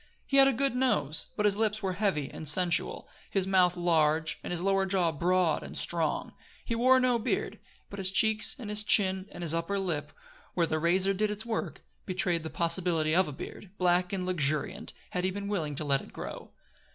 He had a good nose but his lips were heavy and sensual, his mouth large, and his lower jaw broad and strong. He wore no beard, but his cheeks and his chin and his upper lip, where the razor did its work, betrayed the possibility of a beard, black and luxuriant, had he been willing to let it grow.